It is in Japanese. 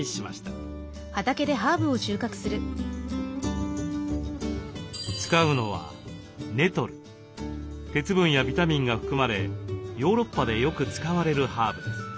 鉄分やビタミンが含まれヨーロッパでよく使われるハーブです。